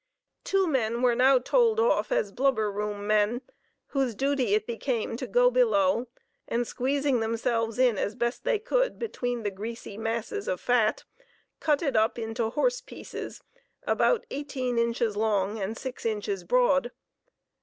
Two men were now told off as "blubber room men," whose duty it became to go below, and squeezing themselves in as best they could between the greasy masses of fat, cut it up into "horse pieces" about eighteen inches long and six inches broad.